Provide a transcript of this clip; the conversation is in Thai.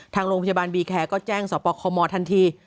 ทางโรงพยาบาลบีแคร์ก็แจ้งสปคมทันที